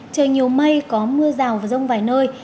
trời nhiều mây có mưa rào và rông vài nơi